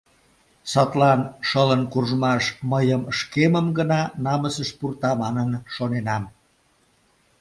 Садлан «шылын куржмаш мыйым шкемым гына намысыш пурта» манын шоненам.